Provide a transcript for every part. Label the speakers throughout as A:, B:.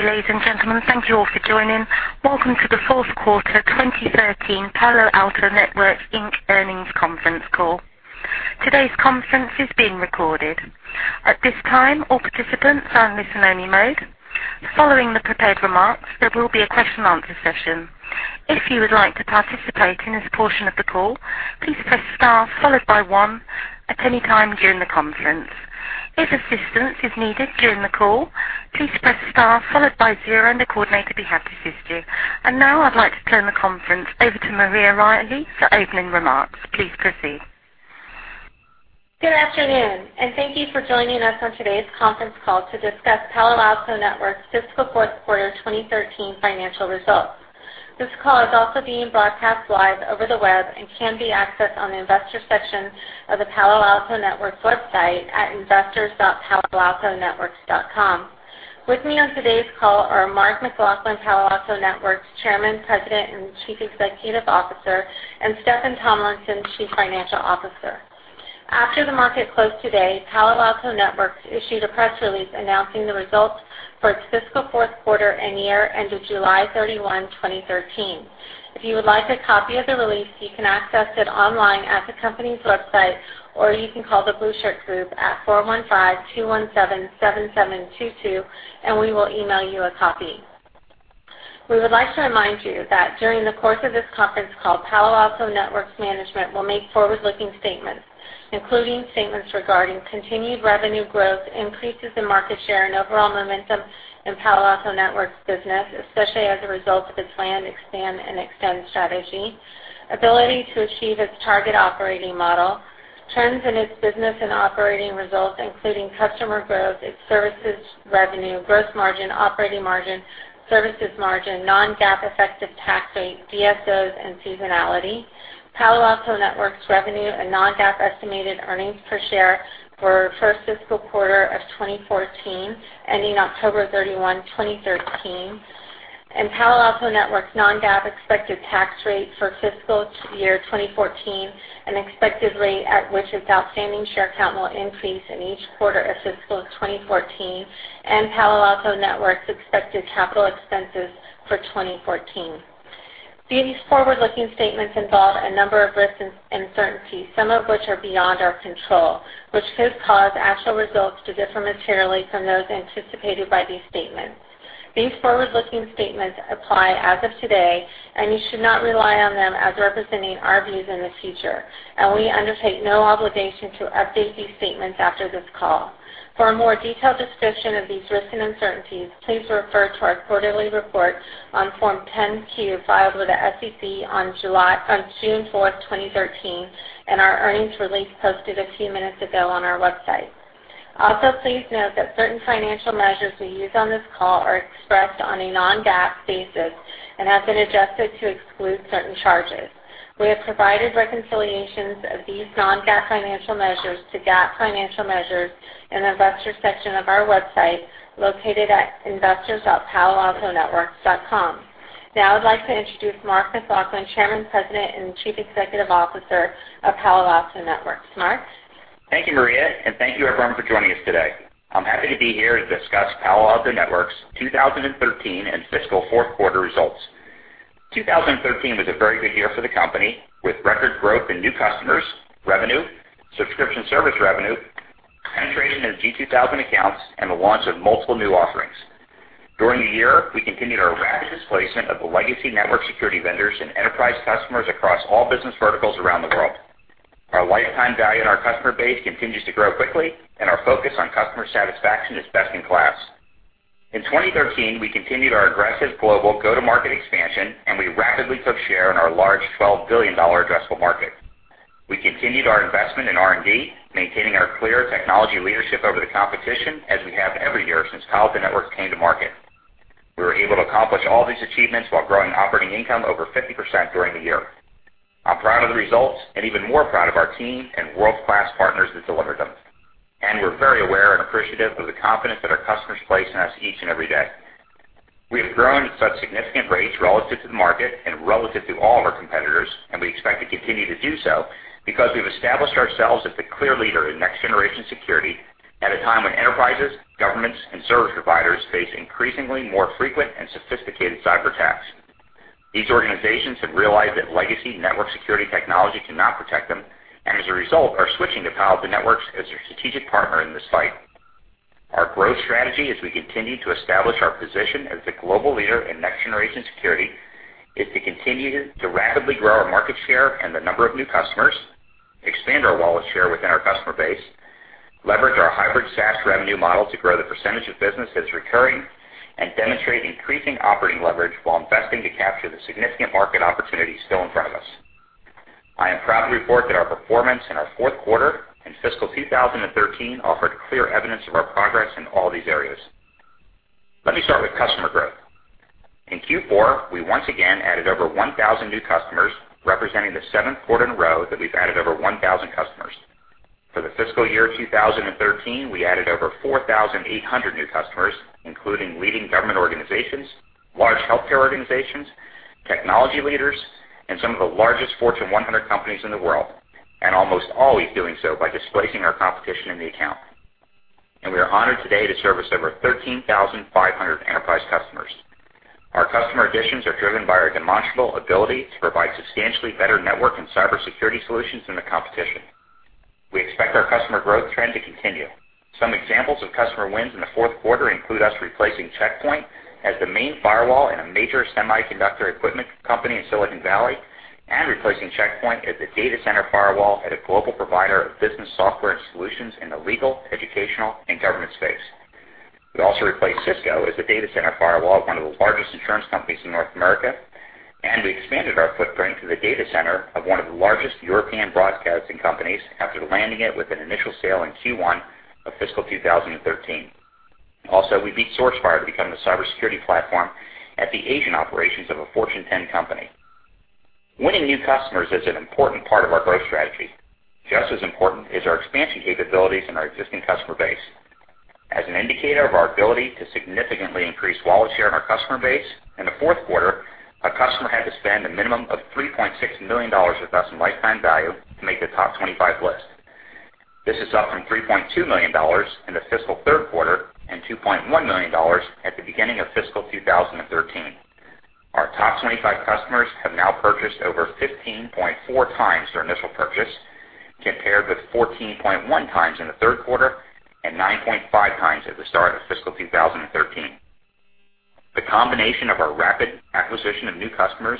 A: Good day, ladies and gentlemen. Thank you all for joining. Welcome to the fourth quarter 2013 Palo Alto Networks Inc. earnings conference call. Today's conference is being recorded. At this time, all participants are in listen-only mode. Following the prepared remarks, there will be a question and answer session. If you would like to participate in this portion of the call, please press star followed by one at any time during the conference. If assistance is needed during the call, please press star followed by zero, the coordinator will be happy to assist you. Now I'd like to turn the conference over to Maria Riley for opening remarks. Please proceed.
B: Good afternoon and thank you for joining us on today's conference call to discuss Palo Alto Networks' fiscal fourth quarter 2013 financial results. This call is also being broadcast live over the web and can be accessed on the investor section of the Palo Alto Networks website at investors.paloaltonetworks.com. With me on today's call are Mark McLaughlin, Palo Alto Networks Chairman, President, and Chief Executive Officer, and Steffan Tomlinson, Chief Financial Officer. After the market closed today, Palo Alto Networks issued a press release announcing the results for its fiscal fourth quarter and year end of July 31, 2013. If you would like a copy of the release, you can access it online at the company's website, or you can call The Blueshirt Group at 415-217-7722, we will email you a copy. We would like to remind you that during the course of this conference call, Palo Alto Networks management will make forward-looking statements, including statements regarding continued revenue growth, increases in market share, and overall momentum in Palo Alto Networks business, especially as a result of its planned expand and extend strategy, ability to achieve its target operating model, trends in its business and operating results, including customer growth, its services revenue, gross margin, operating margin, services margin, non-GAAP effective tax rate, DSOs, and seasonality, Palo Alto Networks revenue and non-GAAP estimated earnings per share for first fiscal quarter of 2014 ending October 31, 2013, Palo Alto Networks' non-GAAP expected tax rate for fiscal year 2014 and expected rate at which its outstanding share count will increase in each quarter of fiscal 2014, and Palo Alto Networks' expected capital expenses for 2014. These forward-looking statements involve a number of risks and uncertainties, some of which are beyond our control, which could cause actual results to differ materially from those anticipated by these statements. These forward-looking statements apply as of today, and you should not rely on them as representing our views in the future, and we undertake no obligation to update these statements after this call. For a more detailed description of these risks and uncertainties, please refer to our quarterly report on Form 10-Q filed with the SEC on June 4th, 2013, our earnings release posted a few minutes ago on our website. Please note that certain financial measures we use on this call are expressed on a non-GAAP basis and have been adjusted to exclude certain charges. We have provided reconciliations of these non-GAAP financial measures to GAAP financial measures in the investor section of our website, located at investors.paloaltonetworks.com. Now I'd like to introduce Mark McLaughlin, Chairman, President, and Chief Executive Officer of Palo Alto Networks. Mark.
C: Thank you, Maria, thank you everyone for joining us today. I'm happy to be here to discuss Palo Alto Networks' 2013 and fiscal fourth quarter results. 2013 was a very good year for the company with record growth in new customers, revenue, subscription service revenue, penetration of G-2000 accounts, and the launch of multiple new offerings. During the year, we continued our rapid displacement of legacy network security vendors and enterprise customers across all business verticals around the world. Our lifetime value in our customer base continues to grow quickly, and our focus on customer satisfaction is best in class. In 2013, we continued our aggressive global go-to-market expansion, and we rapidly took share in our large $12 billion addressable market. We continued our investment in R&D, maintaining our clear technology leadership over the competition as we have every year since Palo Alto Networks came to market. We were able to accomplish all these achievements while growing operating income over 50% during the year. I'm proud of the results and even more proud of our team and world-class partners that delivered them. We're very aware and appreciative of the confidence that our customers place in us each and every day. We have grown at such significant rates relative to the market and relative to all of our competitors, and we expect to continue to do so because we've established ourselves as the clear leader in next-generation security at a time when enterprises, governments, and service providers face increasingly more frequent and sophisticated cyber attacks. These organizations have realized that legacy network security technology cannot protect them, and as a result are switching to Palo Alto Networks as their strategic partner in this fight. Our growth strategy as we continue to establish our position as the global leader in next-generation security is to continue to rapidly grow our market share and the number of new customers, expand our wallet share within our customer base, leverage our hybrid SaaS revenue model to grow the percentage of business that's recurring, and demonstrate increasing operating leverage while investing to capture the significant market opportunity still in front of us. I am proud to report that our performance in our fourth quarter and fiscal 2013 offered clear evidence of our progress in all these areas. Let me start with customer growth. In Q4, we once again added over 1,000 new customers, representing the seventh quarter in a row that we've added over 1,000 customers. For the fiscal year 2013, we added over 4,800 new customers, including leading government organizations, large healthcare organizations, technology leaders, and some of the largest Fortune 100 companies in the world, almost always doing so by displacing our competition in the account. We are honored today to service over 13,500 enterprise customers. Our customer additions are driven by our demonstrable ability to provide substantially better network and cybersecurity solutions than the competition. We expect our customer growth trend to continue. Some examples of customer wins in the fourth quarter include us replacing Check Point as the main firewall in a major semiconductor equipment company in Silicon Valley and replacing Check Point as the data center firewall at a global provider of business software and solutions in the legal, educational, and government space. We also replaced Cisco as the data center firewall at one of the largest insurance companies in North America. We expanded our footprint to the data center of one of the largest European broadcasting companies after landing it with an initial sale in Q1 of fiscal 2013. Also, we beat Sourcefire to become the cybersecurity platform at the Asian operations of a Fortune 10 company. Winning new customers is an important part of our growth strategy. Just as important is our expansion capabilities and our existing customer base. As an indicator of our ability to significantly increase wallet share in our customer base, in the fourth quarter, a customer had to spend a minimum of $3.6 million with us in lifetime value to make the top 25 list. This is up from $3.2 million in the fiscal third quarter and $2.1 million at the beginning of fiscal 2013. Our top 25 customers have now purchased over 15.4 times their initial purchase, compared with 14.1 times in the third quarter and 9.5 times at the start of fiscal 2013. The combination of our rapid acquisition of new customers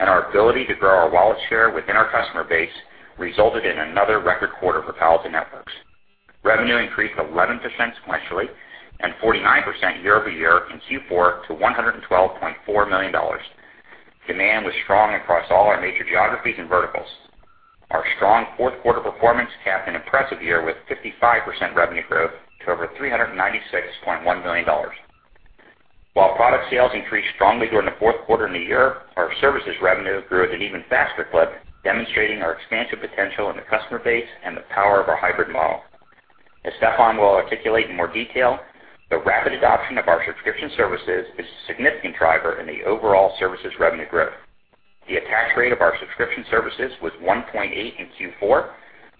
C: and our ability to grow our wallet share within our customer base resulted in another record quarter for Palo Alto Networks. Revenue increased 11% sequentially and 49% year-over-year in Q4 to $112.4 million. Demand was strong across all our major geographies and verticals. Our strong fourth quarter performance capped an impressive year with 55% revenue growth to over $396.1 million. While product sales increased strongly during the fourth quarter and the year, our services revenue grew at an even faster clip, demonstrating our expansion potential in the customer base and the power of our hybrid model. As Steffan will articulate in more detail, the rapid adoption of our subscription services is a significant driver in the overall services revenue growth. The attach rate of our subscription services was 1.8 in Q4,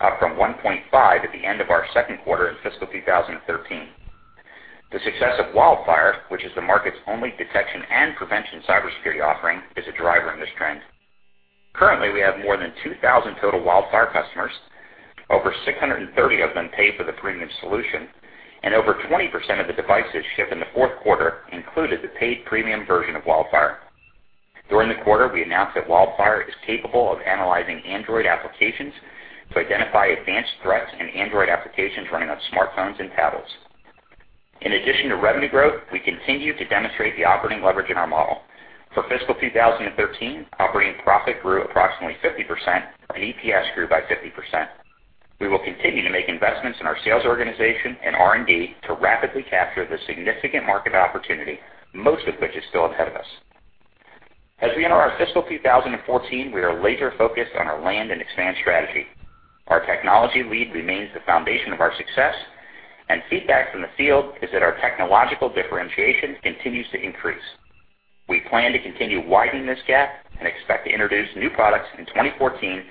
C: up from 1.5 at the end of our second quarter in fiscal 2013. The success of WildFire, which is the market's only detection and prevention cybersecurity offering, is a driver in this trend. Currently, we have more than 2,000 total WildFire customers. Over 630 of them pay for the premium solution, and over 20% of the devices shipped in the fourth quarter included the paid premium version of WildFire. During the quarter, we announced that WildFire is capable of analyzing Android applications to identify advanced threats in Android applications running on smartphones and tablets. In addition to revenue growth, we continue to demonstrate the operating leverage in our model. For fiscal 2013, operating profit grew approximately 50%, and EPS grew by 50%. We will continue to make investments in our sales organization and R&D to rapidly capture the significant market opportunity, most of which is still ahead of us. As we enter our fiscal 2014, we are laser-focused on our land and expand strategy. Our technology lead remains the foundation of our success, and feedback from the field is that our technological differentiation continues to increase. We plan to continue widening this gap and expect to introduce new products in 2014,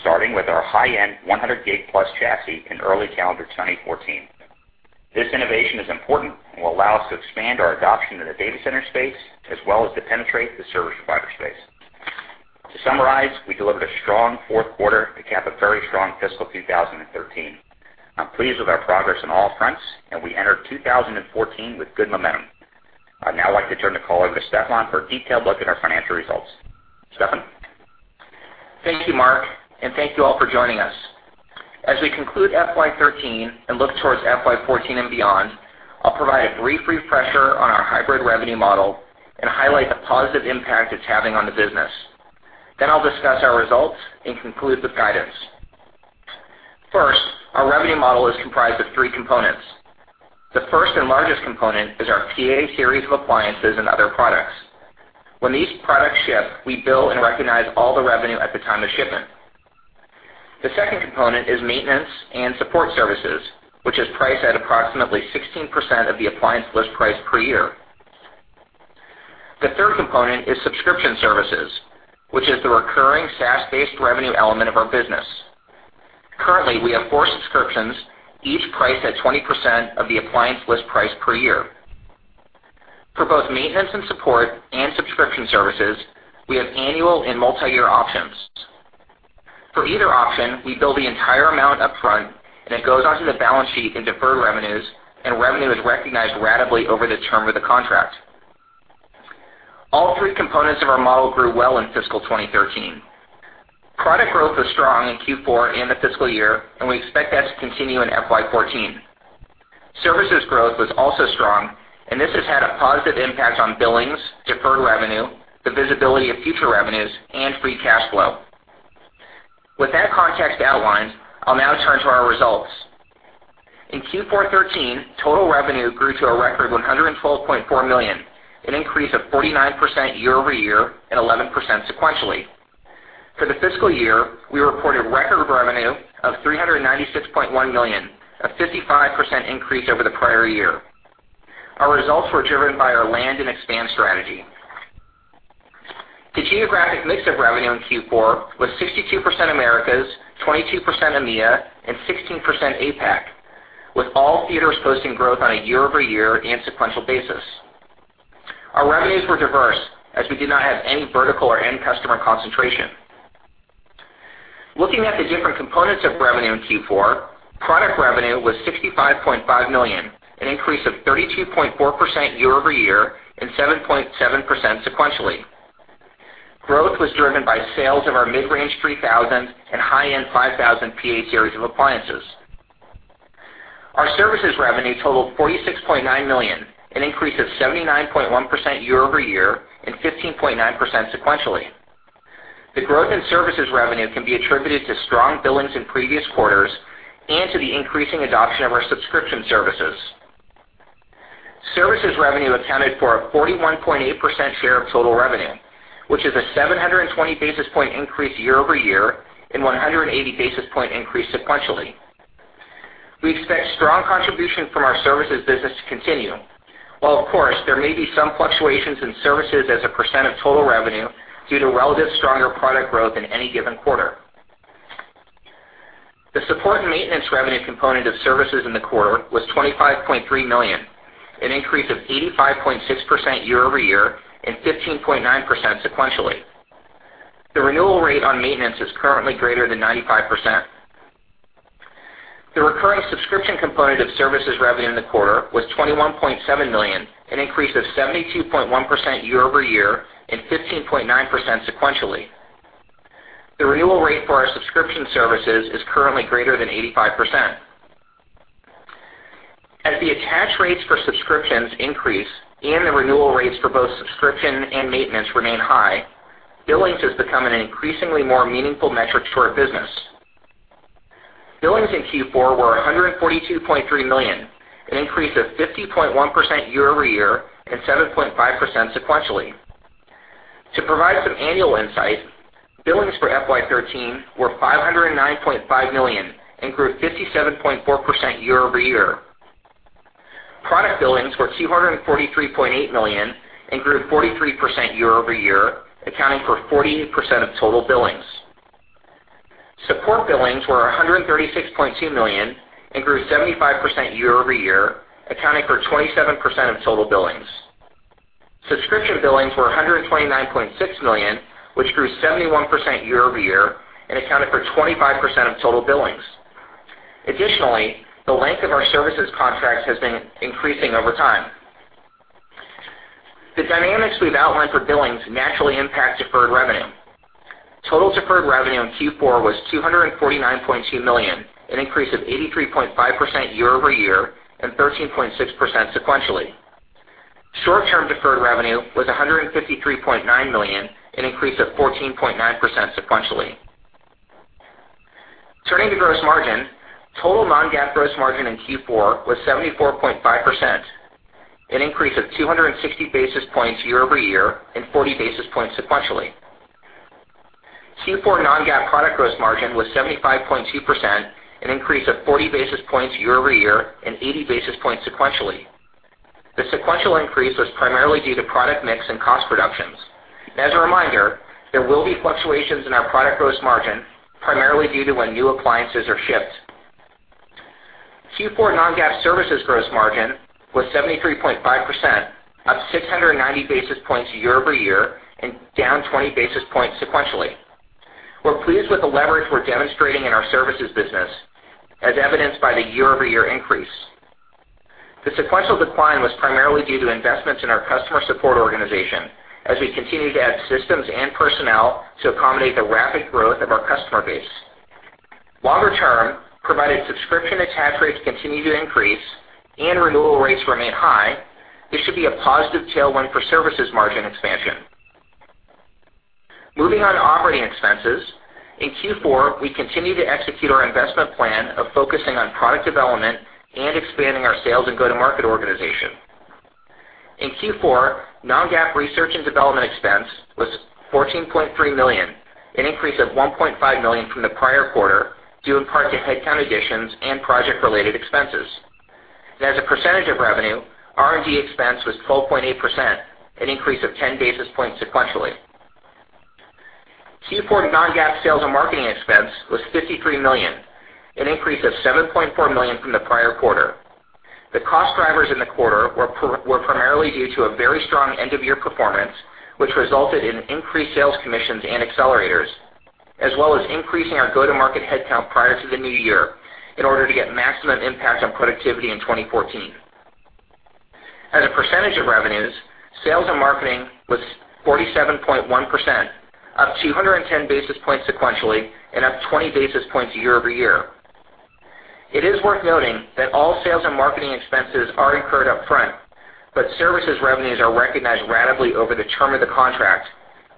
C: starting with our high-end 100G+ chassis in early calendar 2014. This innovation is important and will allow us to expand our adoption in the data center space, as well as to penetrate the service provider space. To summarize, we delivered a strong fourth quarter to cap a very strong fiscal 2013. I'm pleased with our progress on all fronts, and we enter 2014 with good momentum. I'd now like to turn the call over to Steffan for a detailed look at our financial results. Steffan?
D: Thank you, Mark, and thank you all for joining us. As we conclude FY 2013 and look towards FY 2014 and beyond, I'll provide a brief refresher on our hybrid revenue model and highlight the positive impact it's having on the business. I'll discuss our results and conclude with guidance. First, our revenue model is comprised of three components. The first and largest component is our PA-Series of appliances and other products. When these products ship, we bill and recognize all the revenue at the time of shipment. The second component is maintenance and support services, which is priced at approximately 16% of the appliance list price per year. The third component is subscription services, which is the recurring SaaS-based revenue element of our business. Currently, we have four subscriptions, each priced at 20% of the appliance list price per year. For both maintenance and support and subscription services, we have annual and multi-year options. For either option, we bill the entire amount up front, and it goes onto the balance sheet in deferred revenues, and revenue is recognized ratably over the term of the contract. All three components of our model grew well in fiscal 2013. Product growth was strong in Q4 and the fiscal year, and we expect that to continue in FY 2014. Services growth was also strong, and this has had a positive impact on billings, deferred revenue, the visibility of future revenues, and free cash flow. With that context outlined, I'll now turn to our results. In Q4 2013, total revenue grew to a record $112.4 million, an increase of 49% year-over-year and 11% sequentially. For the fiscal year, we reported record revenue of $396.1 million, a 55% increase over the prior year. Our results were driven by our land and expand strategy. The geographic mix of revenue in Q4 was 62% Americas, 22% EMEA, and 16% APAC, with all theaters posting growth on a year-over-year and sequential basis. Our revenues were diverse, as we did not have any vertical or end customer concentration. Looking at the different components of revenue in Q4, product revenue was $65.5 million, an increase of 32.4% year-over-year and 7.7% sequentially. Growth was driven by sales of our mid-range 3000 and high-end 5000 PA-Series of appliances. Our services revenue totaled $46.9 million, an increase of 79.1% year-over-year and 15.9% sequentially. The growth in services revenue can be attributed to strong billings in previous quarters and to the increasing adoption of our subscription services. Services revenue accounted for a 41.8% share of total revenue, which is a 720 basis point increase year-over-year and 180 basis point increase sequentially. We expect strong contribution from our services business to continue. While of course, there may be some fluctuations in services as a percent of total revenue due to relative stronger product growth in any given quarter. The support and maintenance revenue component of services in the quarter was $25.3 million, an increase of 85.6% year-over-year and 15.9% sequentially. The renewal rate on maintenance is currently greater than 95%. The recurring subscription component of services revenue in the quarter was $21.7 million, an increase of 72.1% year-over-year and 15.9% sequentially. The renewal rate for our subscription services is currently greater than 85%. As the attach rates for subscriptions increase and the renewal rates for both subscription and maintenance remain high, billings has become an increasingly more meaningful metric to our business. Billings in Q4 were $142.3 million, an increase of 50.1% year-over-year and 7.5% sequentially. To provide some annual insight, billings for FY 2013 were $509.5 million and grew 57.4% year-over-year. Product billings were $243.8 million and grew 43% year-over-year, accounting for 48% of total billings. Support billings were $136.2 million and grew 75% year-over-year, accounting for 27% of total billings. Subscription billings were $129.6 million, which grew 71% year-over-year and accounted for 25% of total billings. Additionally, the length of our services contracts has been increasing over time. The dynamics we've outlined for billings naturally impact deferred revenue. Total deferred revenue in Q4 was $249.2 million, an increase of 83.5% year-over-year and 13.6% sequentially. Short-term deferred revenue was $153.9 million, an increase of 14.9% sequentially. Turning to gross margin, total non-GAAP gross margin in Q4 was 74.5%, an increase of 260 basis points year-over-year and 40 basis points sequentially. Q4 non-GAAP product gross margin was 75.2%, an increase of 40 basis points year-over-year and 80 basis points sequentially. The sequential increase was primarily due to product mix and cost reductions. As a reminder, there will be fluctuations in our product gross margin primarily due to when new appliances are shipped. Q4 non-GAAP services gross margin was 73.5%, up 690 basis points year-over-year and down 20 basis points sequentially. We're pleased with the leverage we're demonstrating in our services business, as evidenced by the year-over-year increase. The sequential decline was primarily due to investments in our customer support organization as we continue to add systems and personnel to accommodate the rapid growth of our customer base. Longer term, provided subscription attach rates continue to increase and renewal rates remain high, this should be a positive tailwind for services margin expansion. Moving on to operating expenses. In Q4, we continued to execute our investment plan of focusing on product development and expanding our sales and go-to-market organization. In Q4, non-GAAP R&D expense was $14.3 million, an increase of $1.5 million from the prior quarter due in part to headcount additions and project-related expenses. As a percentage of revenue, R&D expense was 12.8%, an increase of 10 basis points sequentially. Q4 non-GAAP sales and marketing expense was $53 million, an increase of $7.4 million from the prior quarter. The cost drivers in the quarter were primarily due to a very strong end-of-year performance, which resulted in increased sales commissions and accelerators, as well as increasing our go-to-market headcount prior to the new year in order to get maximum impact on productivity in 2014. As a percentage of revenues, sales and marketing was 47.1%, up 210 basis points sequentially and up 20 basis points year-over-year. It is worth noting that all sales and marketing expenses are incurred upfront, but services revenues are recognized ratably over the term of the contract,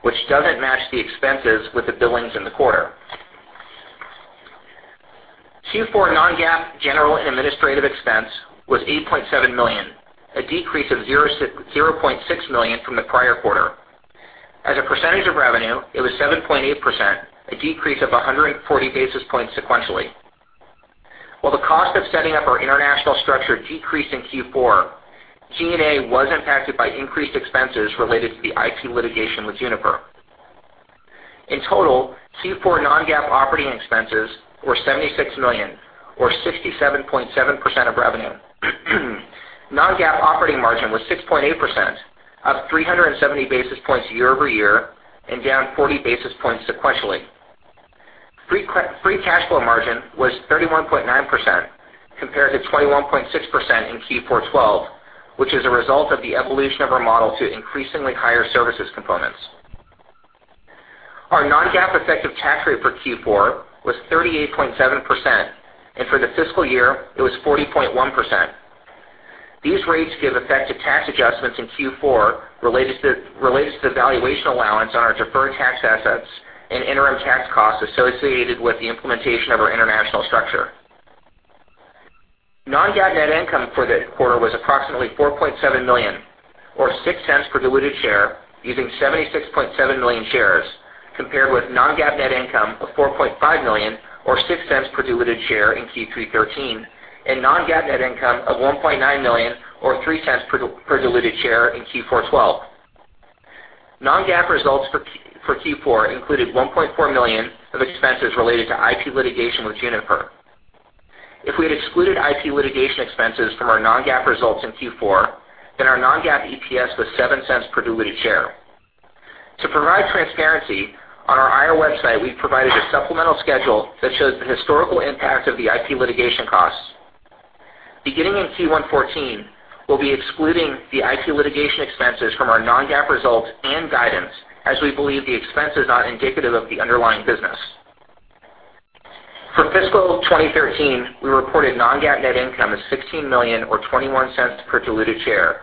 D: which doesn't match the expenses with the billings in the quarter. Q4 non-GAAP G&A expense was $8.7 million, a decrease of $0.6 million from the prior quarter. As a percentage of revenue, it was 7.8%, a decrease of 140 basis points sequentially. While the cost of setting up our international structure decreased in Q4, G&A was impacted by increased expenses related to the IP litigation with Juniper. In total, Q4 non-GAAP operating expenses were $76 million, or 67.7% of revenue. Non-GAAP operating margin was 6.8%, up 370 basis points year-over-year, and down 40 basis points sequentially. Free cash flow margin was 31.9%, compared to 21.6% in Q4 2012, which is a result of the evolution of our model to increasingly higher services components. Our non-GAAP effective tax rate for Q4 was 38.7%, and for the fiscal year, it was 40.1%. These rates give effect to tax adjustments in Q4 related to the valuation allowance on our deferred tax assets and interim tax costs associated with the implementation of our international structure. Non-GAAP net income for the quarter was approximately $4.7 million, or $0.06 per diluted share, using 76.7 million shares, compared with non-GAAP net income of $4.5 million, or $0.06 per diluted share in Q3 2013, and non-GAAP net income of $1.9 million, or $0.03 per diluted share in Q4 2012. Non-GAAP results for Q4 included $1.4 million of expenses related to IP litigation with Juniper. If we had excluded IP litigation expenses from our non-GAAP results in Q4, our non-GAAP EPS was $0.07 per diluted share. To provide transparency, on our IR website, we've provided a supplemental schedule that shows the historical impact of the IP litigation costs. Beginning in Q1 2014, we'll be excluding the IP litigation expenses from our non-GAAP results and guidance, as we believe the expense is not indicative of the underlying business. For fiscal 2013, we reported non-GAAP net income of $16 million, or $0.21 per diluted share,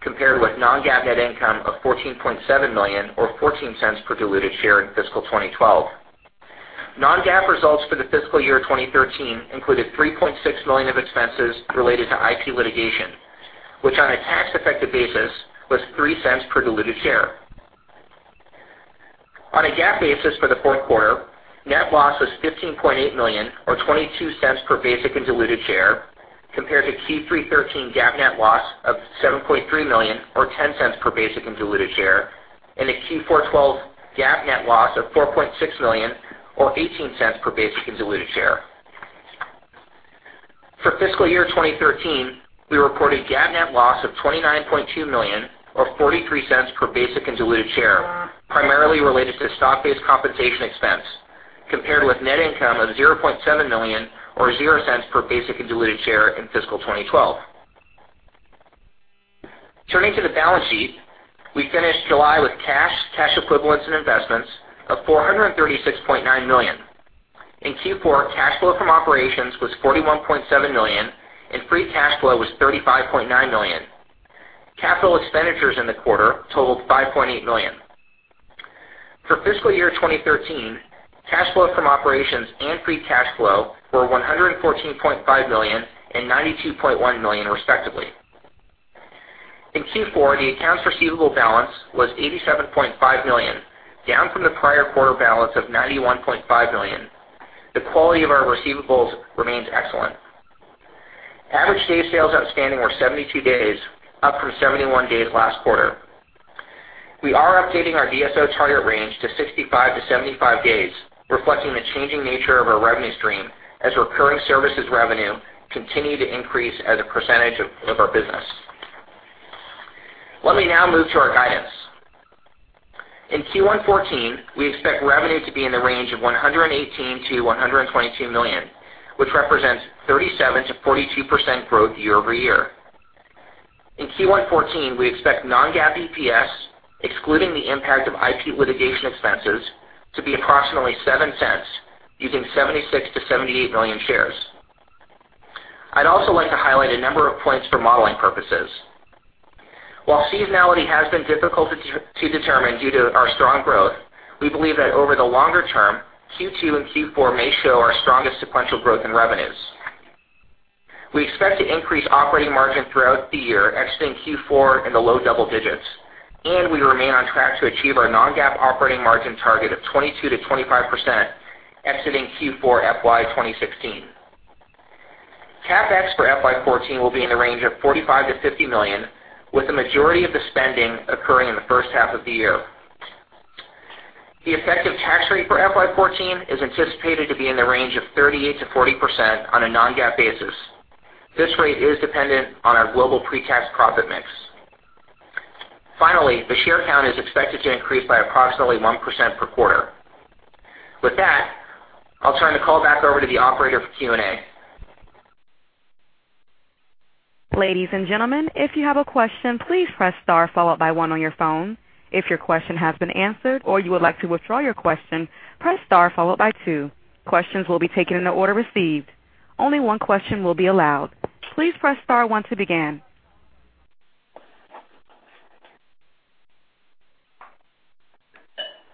D: compared with non-GAAP net income of $14.7 million, or $0.14 per diluted share in fiscal 2012. Non-GAAP results for the fiscal year 2013 included $3.6 million of expenses related to IP litigation, which on a tax-effective basis was $0.03 per diluted share. On a GAAP basis for the fourth quarter, net loss was $15.8 million, or $0.22 per basic and diluted share, compared to Q3 2013 GAAP net loss of $7.3 million, or $0.10 per basic and diluted share, and a Q4 2012 GAAP net loss of $4.6 million, or $0.18 per basic and diluted share. For fiscal year 2013, we reported GAAP net loss of $29.2 million, or $0.43 per basic and diluted share, primarily related to stock-based compensation expense, compared with net income of $0.7 million, or $0.00 per basic and diluted share in fiscal 2012. Turning to the balance sheet, we finished July with cash equivalents, and investments of $436.9 million. In Q4, cash flow from operations was $41.7 million, and free cash flow was $35.9 million. Capital expenditures in the quarter totaled $5.8 million. For fiscal year 2013, cash flow from operations and free cash flow were $114.5 million and $92.1 million, respectively. In Q4, the accounts receivable balance was $87.5 million, down from the prior quarter balance of $91.5 million. The quality of our receivables remains excellent. Average day sales outstanding were 72 days, up from 71 days last quarter. We are updating our DSO target range to 65-75 days, reflecting the changing nature of our revenue stream as recurring services revenue continue to increase as a percentage of our business. Let me now move to our guidance. In Q1 2014, we expect revenue to be in the range of $118 million-$122 million, which represents 37%-42% growth year-over-year. In Q1 2014, we expect non-GAAP EPS, excluding the impact of IP litigation expenses, to be approximately $0.07, using 76 million-78 million shares. I'd also like to highlight a number of points for modeling purposes. While seasonality has been difficult to determine due to our strong growth, we believe that over the longer term, Q2 and Q4 may show our strongest sequential growth in revenues. We expect to increase operating margin throughout the year, exiting Q4 in the low double digits, and we remain on track to achieve our non-GAAP operating margin target of 22%-25% exiting Q4 FY 2016. CapEx for FY 2014 will be in the range of $45 million-$50 million, with the majority of the spending occurring in the first half of the year. The effective tax rate for FY 2014 is anticipated to be in the range of 38%-40% on a non-GAAP basis. This rate is dependent on our global pre-tax profit mix. Finally, the share count is expected to increase by approximately 1% per quarter. With that, I'll turn the call back over to the operator for Q&A.
A: Ladies and gentlemen, if you have a question, please press star followed by one on your phone. If your question has been answered or you would like to withdraw your question, press star followed by two. Questions will be taken in the order received. Only one question will be allowed. Please press star one to begin.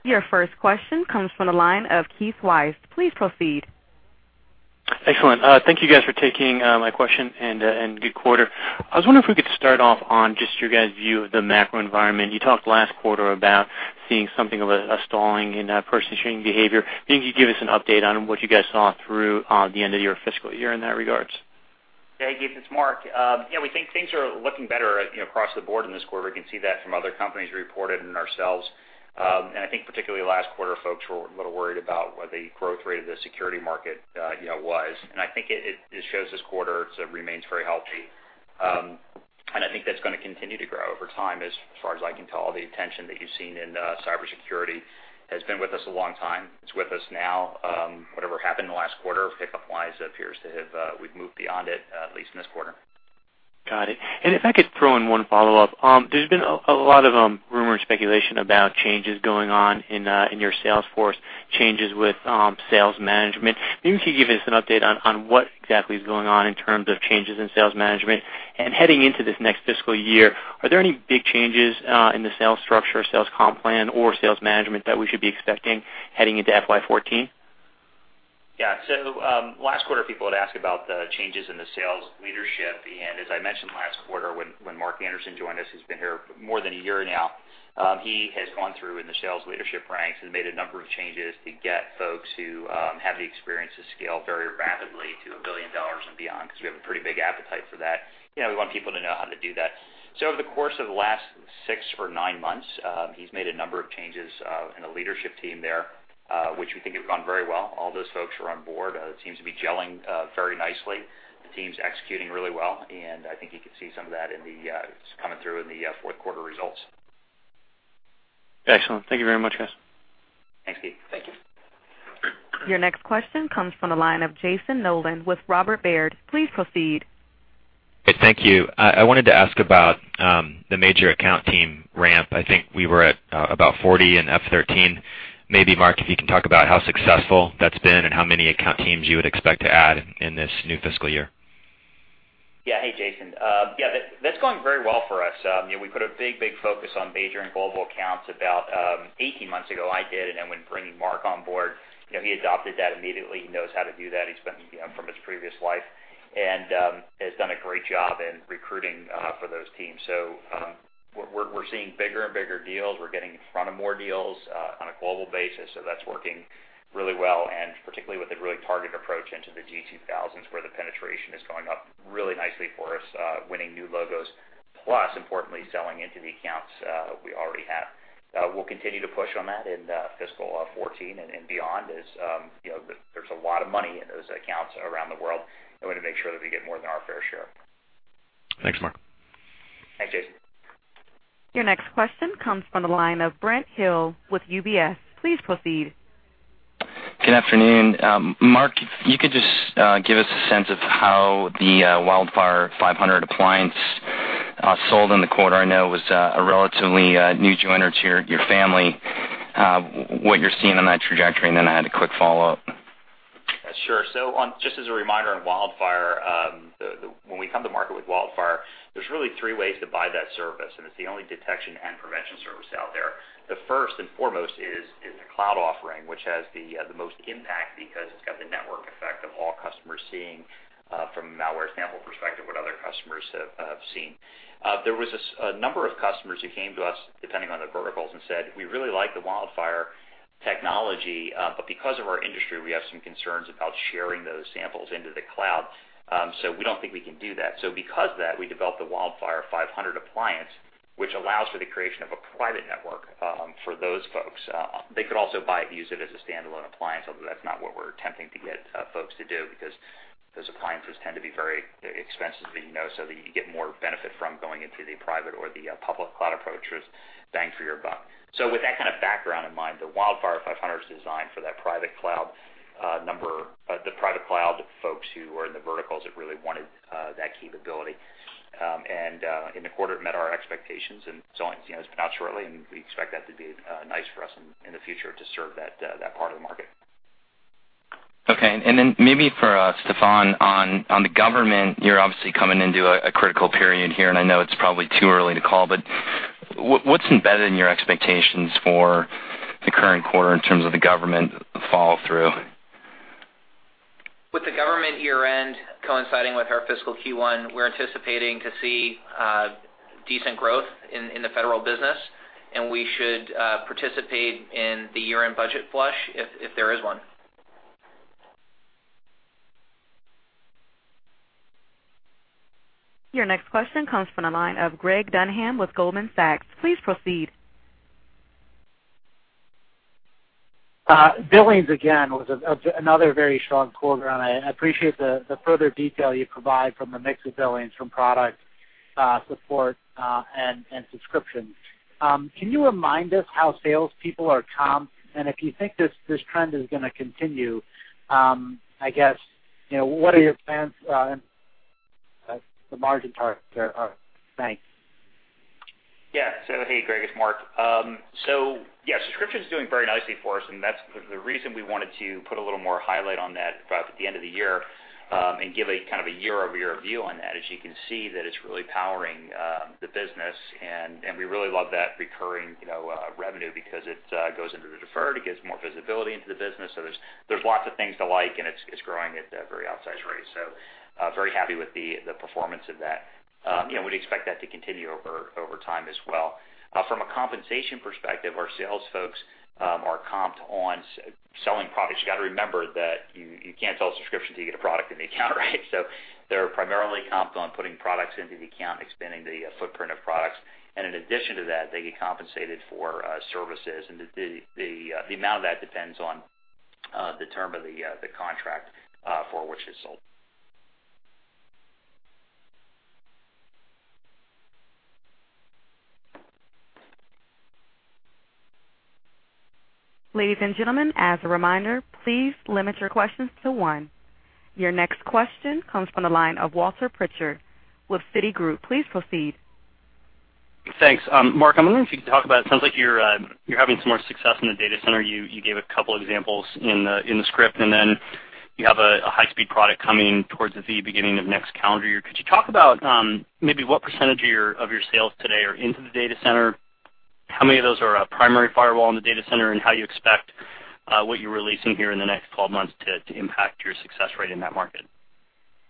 A: Your first question comes from the line of Keith Weiss. Please proceed.
E: Excellent. Thank you guys for taking my question. Good quarter. I was wondering if we could start off on just your guys' view of the macro environment. You talked last quarter about seeing something of a stalling in purchasing behavior. Maybe you could give us an update on what you guys saw through the end of your fiscal year in that regards.
C: Keith, it's Mark. We think things are looking better across the board in this quarter. We can see that from other companies who reported and ourselves. I think particularly last quarter, folks were a little worried about what the growth rate of the security market was. I think it shows this quarter it remains very healthy. I think that's going to continue to grow over time, as far as I can tell. The attention that you've seen in cybersecurity has been with us a long time. It's with us now. Whatever happened in the last quarter, hiccup-wise, appears we've moved beyond it, at least in this quarter.
E: Got it. If I could throw in one follow-up. There's been a lot of rumor and speculation about changes going on in your sales force, changes with sales management. Maybe you could give us an update on what exactly is going on in terms of changes in sales management. Heading into this next fiscal year, are there any big changes in the sales structure, sales comp plan, or sales management that we should be expecting heading into FY 2014?
C: Yeah. Last quarter, people had asked about the changes in the sales leadership. As I mentioned last quarter, when Mark Anderson joined us, he's been here more than a year now. He has gone through in the sales leadership ranks and made a number of changes to get folks who have the experience to scale very rapidly to a $1 billion and beyond, because we have a pretty big appetite for that. We want people to know how to do that. Over the course of the last six or nine months, he's made a number of changes in the leadership team there, which we think have gone very well. All those folks are on board. It seems to be gelling very nicely. The team's executing really well, and I think you can see some of that coming through in the fourth quarter results.
E: Excellent. Thank you very much, guys.
C: Thanks, Keith.
D: Thank you.
A: Your next question comes from the line of Jayson Noland with Robert W. Baird. Please proceed.
F: Thank you. I wanted to ask about the major account team ramp. I think we were at about 40 in FY13. Maybe, Mark, if you can talk about how successful that's been and how many account teams you would expect to add in this new fiscal year.
C: Yeah. Hey, Jayson. That's going very well for us. We put a big focus on major and global accounts about 18 months ago. I did, and then when bringing Mark on board, he adopted that immediately. He knows how to do that from his previous life. Has done a great job in recruiting for those teams. We're seeing bigger and bigger deals. We're getting in front of more deals on a global basis. That's working really well, and particularly with a really targeted approach into the G2000s, where the penetration is going up really nicely for us, winning new logos. Plus, importantly, selling into the accounts we already have. We'll continue to push on that in fiscal '14 and beyond, as there's a lot of money in those accounts around the world and we want to make sure that we get more than our fair share.
F: Thanks, Mark.
C: Thanks, Jayson.
A: Your next question comes from the line of Brent Thill with UBS. Please proceed.
G: Good afternoon. Mark, if you could just give us a sense of how the WildFire 500 appliance sold in the quarter. I know it was a relatively new joiner to your family. What you're seeing on that trajectory, and then I had a quick follow-up.
C: Sure. Just as a reminder on WildFire, when we come to market with WildFire, there's really three ways to buy that service, and it's the only detection and prevention service out there. The first and foremost is the cloud offering, which has the most impact because it's got the network effect of all customers seeing, from a malware sample perspective, what other customers have seen. There was a number of customers who came to us, depending on the verticals, and said, "We really like the WildFire technology, but because of our industry, we have some concerns about sharing those samples into the cloud. We don't think we can do that." Because of that, we developed the WildFire 500 appliance, which allows for the creation of a private network for those folks. They could also buy it and use it as a standalone appliance, although that's not what we're attempting to get folks to do, because those appliances tend to be very expensive so that you get more benefit from going into the private or the public cloud approaches, bang for your buck. With that kind of background in mind, the WF-500 is designed for the private cloud folks who are in the verticals that really wanted that capability. In the quarter, it met our expectations, and it's been out shortly, and we expect that to be nice for us in the future to serve that part of the market.
G: Okay. Maybe for Steffan, on the government, you're obviously coming into a critical period here, and I know it's probably too early to call, but what's embedded in your expectations for the current quarter in terms of the government follow through?
D: With the government year-end coinciding with our fiscal Q1, we're anticipating to see decent growth in the federal business, and we should participate in the year-end budget flush if there is one.
A: Your next question comes from the line of Greg Dunham with Goldman Sachs. Please proceed.
H: Billings, again, was another very strong quarter, and I appreciate the further detail you provide from the mix of billings from product support and subscriptions. Can you remind us how sales people are comped, and if you think this trend is going to continue, I guess, what are your plans and the margin targets there? Thanks.
C: Yeah. Hey, Greg, it's Mark. Yeah, subscription's doing very nicely for us, and that's the reason we wanted to put a little more highlight on that right at the end of the year, and give a year-over-year view on that. As you can see that it's really powering the business, and we really love that recurring revenue because it goes into the deferred, it gives more visibility into the business. There's lots of things to like, and it's growing at a very outsized rate. Very happy with the performance of that. We'd expect that to continue over time as well. From a compensation perspective, our sales folks are comped on selling products. You got to remember that you can't sell a subscription till you get a product in the account, right? They're primarily comped on putting products into the account, expanding the footprint of products. In addition to that, they get compensated for services, and the amount of that depends on the term of the contract for which it's sold.
A: Ladies and gentlemen, as a reminder, please limit your questions to one. Your next question comes from the line of Walter Pritchard with Citigroup. Please proceed.
I: Thanks. Mark, I'm wondering if you could talk about, it sounds like you're having some more success in the data center. You gave a couple examples in the script, then you have a high-speed product coming towards the beginning of next calendar year. Could you talk about maybe what percentage of your sales today are into the data center? How many of those are a primary firewall in the data center, how you expect what you're releasing here in the next 12 months to impact your success rate in that market?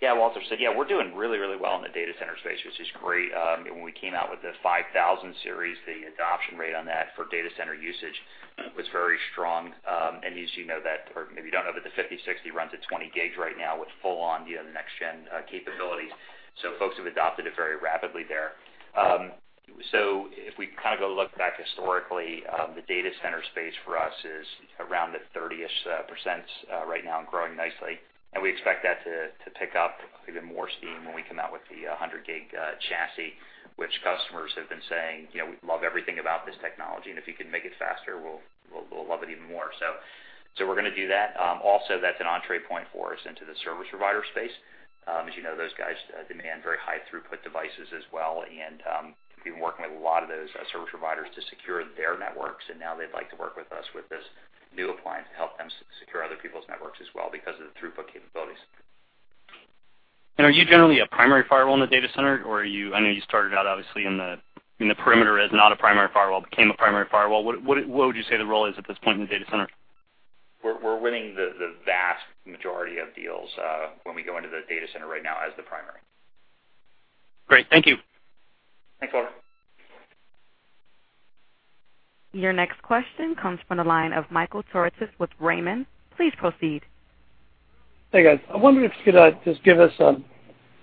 C: Yeah, Walter. Yeah, we're doing really well in the data center space, which is great. When we came out with the PA-5000 Series, the adoption rate on that for data center usage was very strong. As you know that, or maybe you don't know, but the PA-5060 runs at 20 gigs right now with full on next-gen capabilities. Folks have adopted it very rapidly there. If we go look back historically, the data center space for us is around the 30%-ish right now and growing nicely. We expect that to pick up even more steam when we come out with the 100 gig chassis, which customers have been saying, "We love everything about this technology, and if you can make it faster, we'll love it even more." We're going to do that. Also, that's an entree point for us into the service provider space. As you know, those guys demand very high throughput devices as well. We've been working with a lot of those service providers to secure their networks, now they'd like to work with us with this new appliance to help them secure other people's networks as well because of the throughput capabilities.
I: Are you generally a primary firewall in the data center, or I know you started out obviously in the perimeter as not a primary firewall, became a primary firewall. What would you say the role is at this point in the data center?
C: We're winning the vast majority of deals when we go into the data center right now as the primary.
I: Great. Thank you.
C: Thanks, Walter.
A: Your next question comes from the line of Michael Turits with Raymond. Please proceed.
J: Hey, guys. I wonder if you could just give us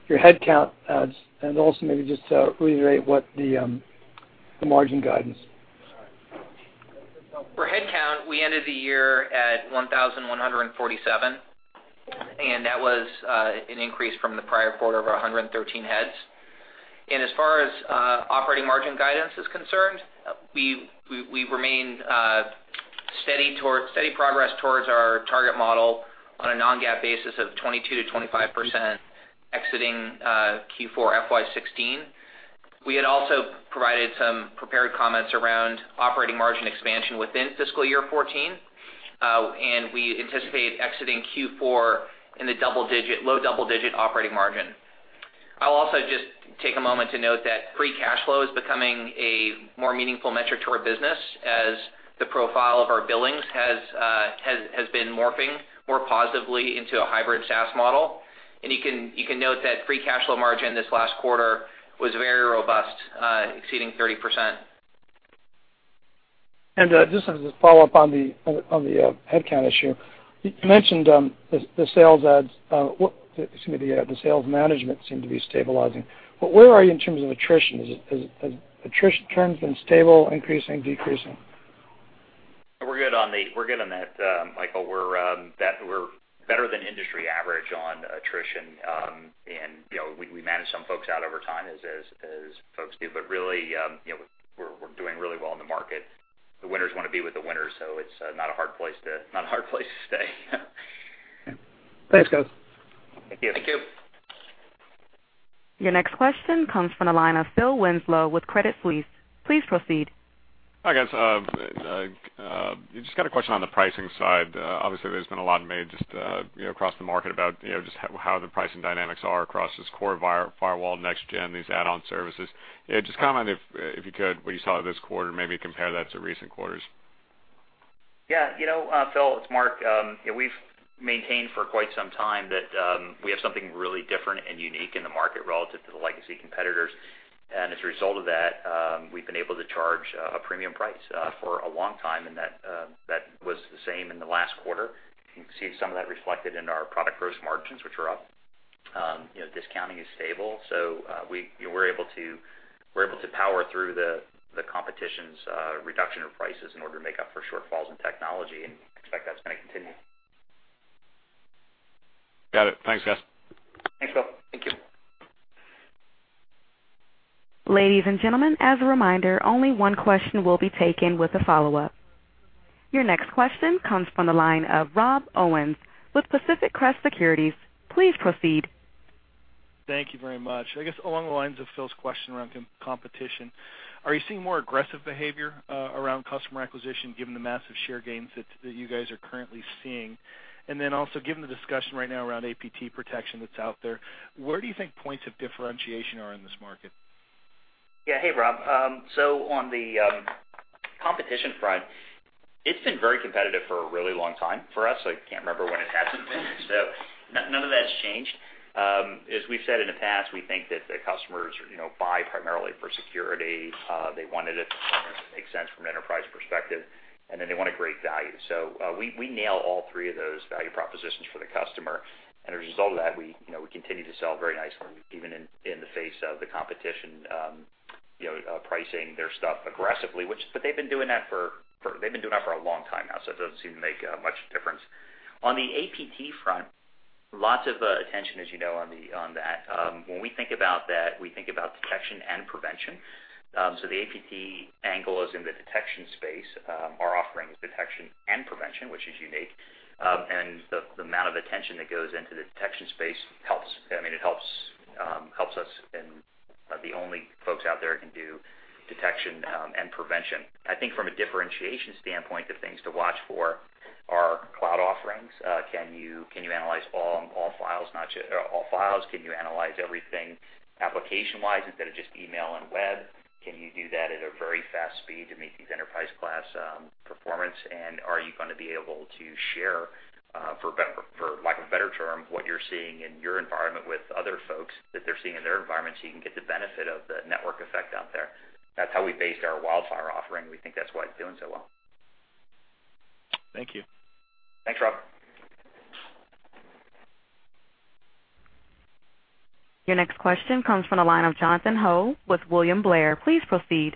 J: your headcount adds and also maybe just reiterate what the margin guidance?
C: For headcount, we ended the year at 1,147, that was an increase from the prior quarter of 113 heads. As far as operating margin guidance is concerned, we remain steady progress towards our target model on a non-GAAP basis of 22%-25% exiting Q4 FY 2016. We had also provided some prepared comments around operating margin expansion within fiscal year 2014. We anticipate exiting Q4 in the low double-digit operating margin. I'll also just take a moment to note that free cash flow is becoming a more meaningful metric to our business as the profile of our billings has been morphing more positively into a hybrid SaaS model. You can note that free cash flow margin this last quarter was very robust, exceeding 30%.
J: Just as a follow-up on the headcount issue. You mentioned the sales management seem to be stabilizing, but where are you in terms of attrition? Has attrition trends been stable, increasing, decreasing?
C: We're good on that, Michael. We're better than industry average on attrition. We manage some folks out over time as folks do. Really, we're doing really well in the market. The winners want to be with the winners, so it's not a hard place to stay.
J: Thanks, guys.
C: Thank you.
I: Thank you.
A: Your next question comes from the line of Philip Winslow with Credit Suisse. Please proceed.
K: Hi, guys. Just got a question on the pricing side. Obviously, there's been a lot made just across the market about just how the pricing dynamics are across this core firewall next-gen, these add-on services. Yeah, just comment if you could, what you saw this quarter, maybe compare that to recent quarters.
C: Yeah. Phil, it's Mark. We've maintained for quite some time that we have something really different and unique in the market relative to the legacy competitors. As a result of that, we've been able to charge a premium price for a long time, and that was the same in the last quarter. You can see some of that reflected in our product gross margins, which are up. Discounting is stable. We're able to power through the competition's reduction of prices in order to make up for shortfalls in technology, and expect that's going to continue.
K: Got it. Thanks, guys.
C: Thanks, Phil.
I: Thank you.
A: Ladies and gentlemen, as a reminder, only one question will be taken with a follow-up. Your next question comes from the line of Rob Owens with Pacific Crest Securities. Please proceed.
L: Thank you very much. I guess along the lines of Phil's question around competition, are you seeing more aggressive behavior around customer acquisition given the massive share gains that you guys are currently seeing? Also, given the discussion right now around APT protection that's out there, where do you think points of differentiation are in this market?
C: Yeah. Hey, Rob. On the competition front, it's been very competitive for a really long time for us. I can't remember when it hasn't been. None of that's changed. As we've said in the past, we think that the customers buy primarily for security. They want it at a point where it makes sense from an enterprise perspective, and then they want a great value. We nail all three of those value propositions for the customer. A result of that, we continue to sell very nicely, even in the face of the competition, pricing their stuff aggressively. They've been doing that for a long time now, so it doesn't seem to make much difference. On the APT front, lots of attention, as you know, on that. When we think about that, we think about detection and prevention. The APT angle is in the detection space. Our offering is detection and prevention, which is unique. The amount of attention that goes into the detection space helps us, and the only folks out there that can do detection and prevention. I think from a differentiation standpoint, the things to watch for are cloud offerings. Can you analyze all files? Can you analyze everything application-wise instead of just email and web? Can you do that at a very fast speed to meet these enterprise class performance? Are you going to be able to share, for lack of a better term, what you're seeing in your environment with other folks that they're seeing in their environment, so you can get the benefit of the network effect out there? That's how we based our WildFire offering. We think that's why it's doing so well.
L: Thank you.
C: Thanks, Rob.
A: Your next question comes from the line of Jonathan Ho with William Blair. Please proceed.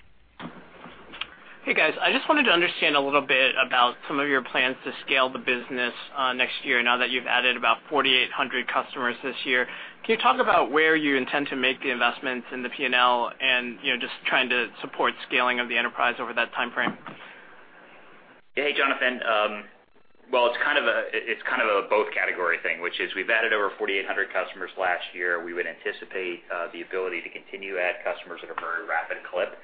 M: Hey, guys. I just wanted to understand a little bit about some of your plans to scale the business next year, now that you've added about 4,800 customers this year. Can you talk about where you intend to make the investments in the P&L, and just trying to support scaling of the enterprise over that timeframe?
C: Hey, Jonathan. Well, it's kind of a both category thing, which is we've added over 4,800 customers last year. We would anticipate the ability to continue to add customers at a very rapid clip.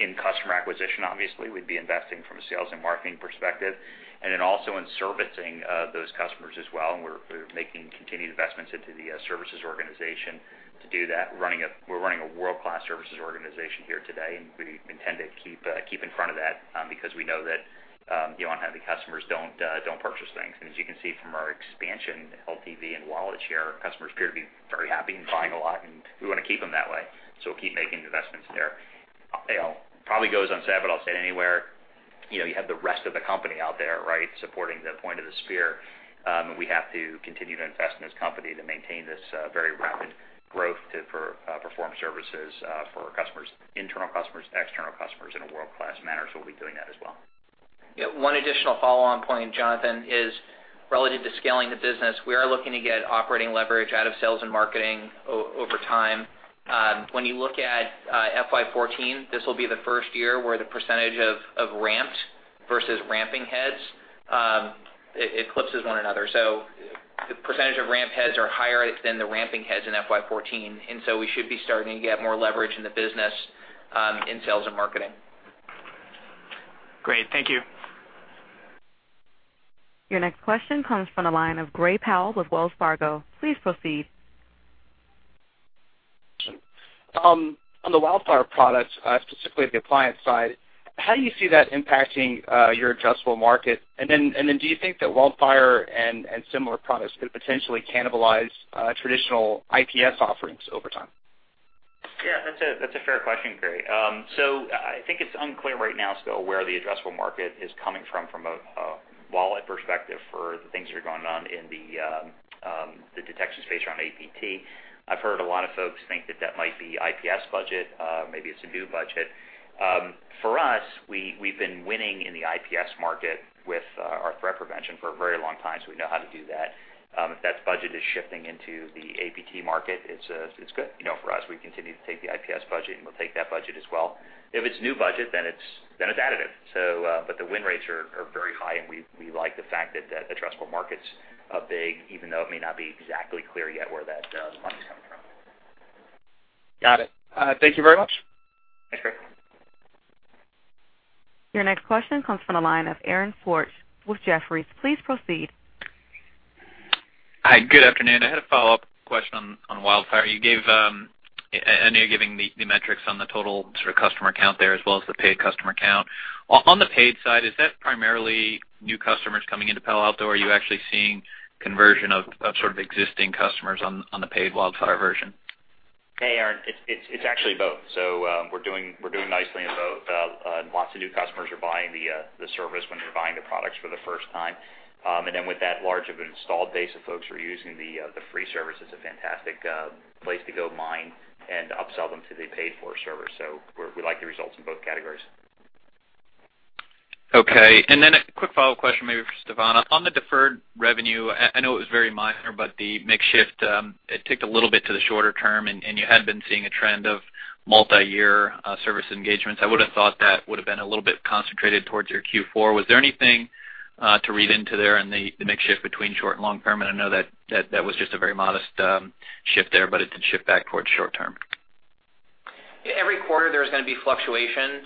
C: In customer acquisition, obviously, we'd be investing from a sales and marketing perspective, and in also in servicing those customers as well. We're making continued investments into the services organization to do that. We're running a world-class services organization here today, and we intend to keep in front of that, because we know that unhappy customers don't purchase things. As you can see from our expansion, LTV, and wallet share, customers appear to be very happy and buying a lot, and we want to keep them that way. We'll keep making investments there. It probably goes unsaid, but I'll say it anyway. You have the rest of the company out there, supporting the point of the spear. We have to continue to invest in this company to maintain this very rapid growth to perform services for our customers, internal customers, external customers, in a world-class manner. We'll be doing that as well.
D: Yeah. One additional follow-on point, Jonathan, is relative to scaling the business. We are looking to get operating leverage out of sales and marketing over time. When you look at FY 2014, this will be the first year where the percentage of ramped versus ramping heads eclipses one another. The percentage of ramp heads are higher than the ramping heads in FY 2014. We should be starting to get more leverage in the business in sales and marketing.
M: Great. Thank you.
A: Your next question comes from the line of Gray Powell with Wells Fargo. Please proceed.
N: On the WildFire products, specifically the appliance side, how do you see that impacting your addressable market? do you think that WildFire and similar products could potentially cannibalize traditional IPS offerings over time?
C: Yeah, that's a fair question, Gray. I think it's unclear right now still where the addressable market is coming from a wallet perspective for the things that are going on in the detection space around APT. I've heard a lot of folks think that that might be IPS budget. Maybe it's a new budget. For us, we've been winning in the IPS market with our threat prevention for a very long time, so we know how to do that. If that budget is shifting into the APT market, it's good for us. We continue to take the IPS budget, and we'll take that budget as well. If it's new budget, then it's additive. But the win rates are very high, and we like the fact that the addressable market's big, even though it may not be exactly clear yet where that money's coming from.
N: Got it. Thank you very much.
C: Thanks, Gray.
A: Your next question comes from the line of Aaron Schwartz with Jefferies. Please proceed.
O: Hi. Good afternoon. I had a follow-up question on WildFire. You're giving the metrics on the total sort of customer count there, as well as the paid customer count. On the paid side, is that primarily new customers coming into Palo Alto, or are you actually seeing conversion of sort of existing customers on the paid WildFire version?
C: Hey, Aaron. It's actually both. We're doing nicely in both. Lots of new customers are buying the service when they're buying the products for the first time. Then with that large of an installed base of folks who are using the free service, it's a fantastic place to go mine and upsell them to the paid-for service. We like the results in both categories.
O: Okay. Then a quick follow-up question maybe for Steffan. On the deferred revenue, I know it was very minor, but the mix shift, it ticked a little bit to the shorter term, and you had been seeing a trend of Multi-year service engagements. I would have thought that would have been a little bit concentrated towards your Q4. Was there anything to read into there in the mix shift between short and long-term? I know that was just a very modest shift there, but it did shift back towards short-term.
D: Every quarter, there's going to be fluctuations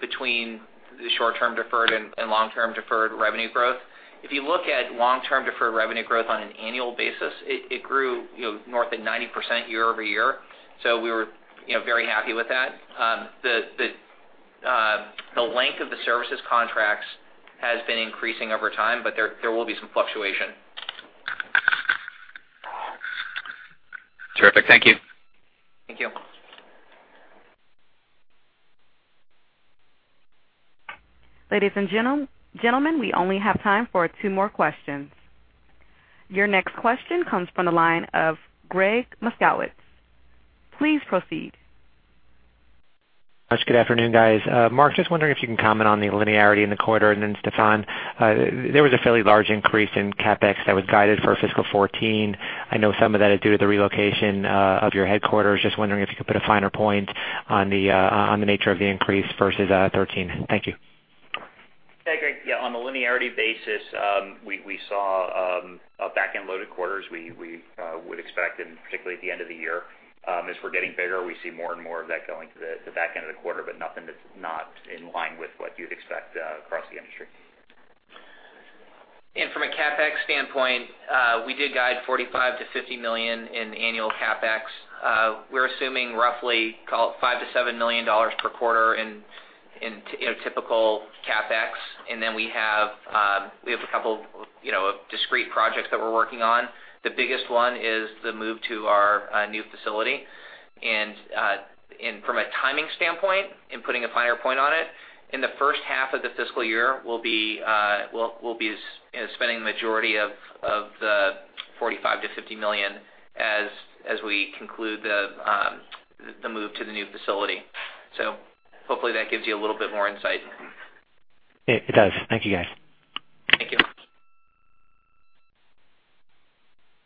D: between the short-term deferred and long-term deferred revenue growth. If you look at long-term deferred revenue growth on an annual basis, it grew north of 90% year-over-year. We were very happy with that. The length of the services contracts has been increasing over time, but there will be some fluctuation.
O: Terrific. Thank you.
C: Thank you.
A: Ladies and gentlemen, we only have time for two more questions. Your next question comes from the line of Gregg Moskowitz. Please proceed.
P: Good afternoon, guys. Mark, just wondering if you can comment on the linearity in the quarter. Steffan, there was a fairly large increase in CapEx that was guided for fiscal 14. I know some of that is due to the relocation of your headquarters. Just wondering if you could put a finer point on the nature of the increase versus 13. Thank you.
C: Hey, Greg. Yeah, on the linearity basis, we saw a back-end loaded quarter as we would expect, and particularly at the end of the year. As we're getting bigger, we see more and more of that going to the back end of the quarter, but nothing that's not in line with what you'd expect across the industry.
D: From a CapEx standpoint, we did guide $45 million-$50 million in annual CapEx. We're assuming roughly call it $5 million-$7 million per quarter in typical CapEx. We have a couple of discrete projects that we're working on. The biggest one is the move to our new facility. From a timing standpoint, in putting a finer point on it, in the first half of the fiscal year, we'll be spending the majority of the $45 million-$50 million as we conclude the move to the new facility. Hopefully that gives you a little bit more insight.
P: It does. Thank you, guys.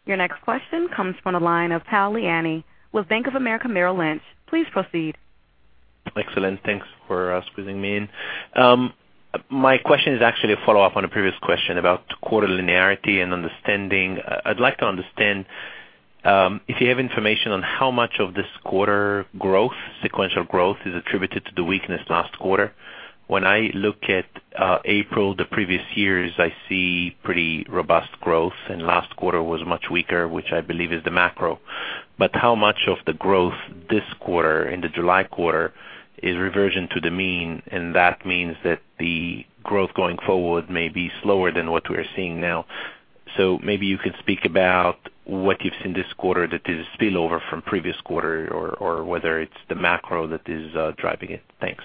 C: Thank you.
A: Your next question comes from the line of Tal Liani with Bank of America Merrill Lynch. Please proceed.
Q: Excellent. Thanks for squeezing me in. My question is actually a follow-up on a previous question about quarter linearity and understanding. I'd like to understand if you have information on how much of this quarter growth, sequential growth is attributed to the weakness last quarter. When I look at April, the previous years, I see pretty robust growth, and last quarter was much weaker, which I believe is the macro. How much of the growth this quarter, in the July quarter, is reversion to the mean, and that means that the growth going forward may be slower than what we are seeing now. Maybe you could speak about what you've seen this quarter that is spillover from previous quarter or whether it's the macro that is driving it. Thanks.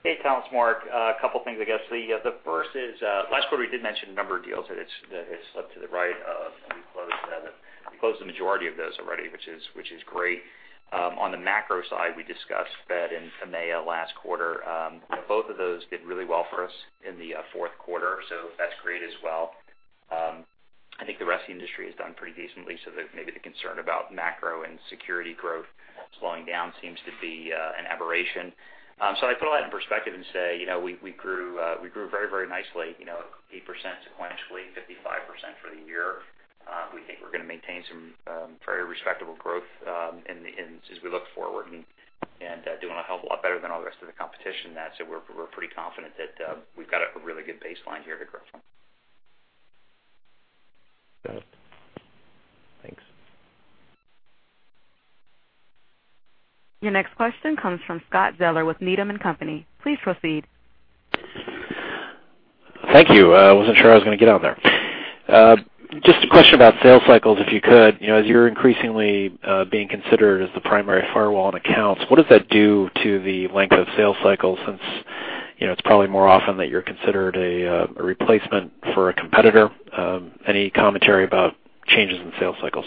C: Hey, Tal. It's Mark. A couple things, I guess. The first is last quarter we did mention a number of deals that have slipped to the right, and we closed the majority of those already, which is great. On the macro side, we discussed Fed and EMEA last quarter. Both of those did really well for us in the fourth quarter, so that's great as well. I think the rest of the industry has done pretty decently, so maybe the concern about macro and security growth slowing down seems to be an aberration. I put all that in perspective and say we grew very nicely, 8% sequentially, 55% for the year. We think we're going to maintain some very respectable growth as we look forward and doing a hell of a lot better than all the rest of the competition. We're pretty confident that we've got a really good baseline here to grow from.
Q: Got it. Thanks.
A: Your next question comes from Scott Zeller with Needham & Company. Please proceed.
R: Thank you. I wasn't sure I was going to get on there. Just a question about sales cycles, if you could. As you're increasingly being considered as the primary firewall on accounts, what does that do to the length of sales cycles, since it's probably more often that you're considered a replacement for a competitor? Any commentary about changes in sales cycles?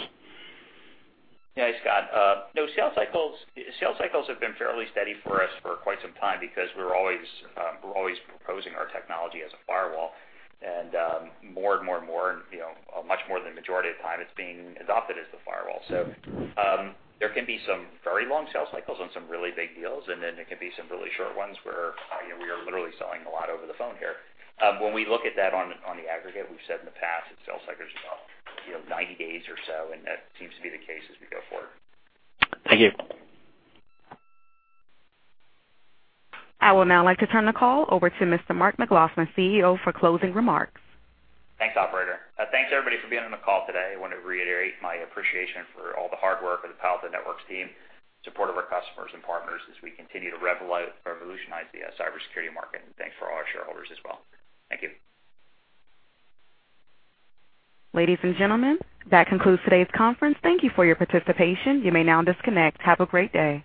C: Yeah, Scott. No, sales cycles have been fairly steady for us for quite some time because we're always proposing our technology as a firewall and more and more, much more than the majority of time it's being adopted as the firewall. There can be some very long sales cycles on some really big deals, and then there can be some really short ones where we are literally selling a lot over the phone here. When we look at that on the aggregate, we've said in the past that sales cycles are about 90 days or so, and that seems to be the case as we go forward.
R: Thank you.
A: I would now like to turn the call over to Mr. Mark McLaughlin, CEO, for closing remarks.
C: Thanks, operator. Thanks, everybody, for being on the call today. I want to reiterate my appreciation for all the hard work of the Palo Alto Networks team, support of our customers and partners as we continue to revolutionize the cybersecurity market. Thanks to all our shareholders as well. Thank you.
A: Ladies and gentlemen, that concludes today's conference. Thank you for your participation. You may now disconnect. Have a great day.